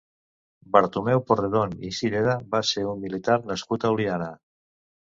Bartomeu Porredon i Cirera va ser un militar nascut a Oliana.